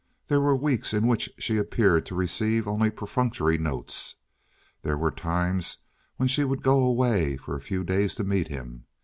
There were weeks in which she appeared to receive only perfunctory notes. There were times when she would only go away for a few days to meet him.